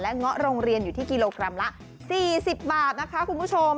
เงาะโรงเรียนอยู่ที่กิโลกรัมละ๔๐บาทนะคะคุณผู้ชม